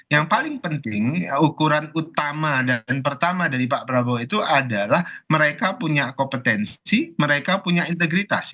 yang paling penting ukuran utama dan pertama dari pak prabowo itu adalah mereka punya kompetensi mereka punya integritas